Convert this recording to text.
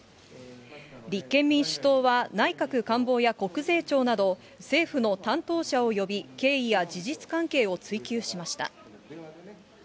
立憲民主党は内閣官房や国税庁など、政府の担当者を呼び、経緯や事実関係を追及しました。